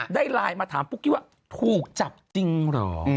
ได้ไลน์มาถามปุ๊กกี้ว่าถูกจับจริงเหรอ